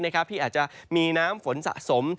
ที่พมีน้ำฝนสะสม